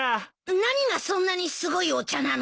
何がそんなにすごいお茶なの？